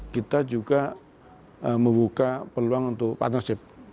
kita juga membuka peluang untuk partnership